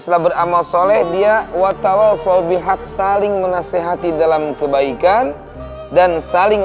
setelah beramal shalih dia watawal shawbil haqqi saling menasehati dalam kebaikan dan saling